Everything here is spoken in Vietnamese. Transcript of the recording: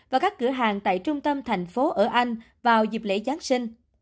và các cửa hàng tại trung tâm thành phố ở anh vào dịp lễ giáng sinh